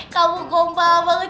kamu gompa banget